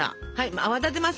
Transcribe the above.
泡立てます